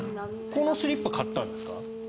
このスリッパ買ったんですか？